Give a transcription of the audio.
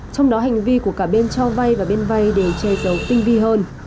trong đó hành vi của cả bên cho vay và bên vay để chê giấu tinh vi hơn